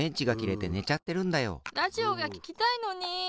ラジオがききたいのに。